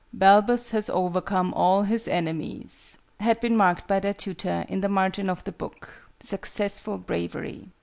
"Balbus has overcome all his enemies" had been marked by their tutor, in the margin of the book, "Successful Bravery."